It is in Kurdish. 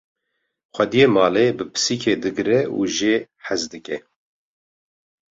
xwediyê malê bi pisikê digre û jê hez dike